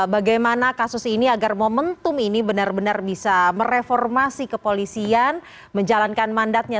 bagaimana kasus ini agar momentum ini benar benar bisa mereformasi kepolisian menjalankan mandatnya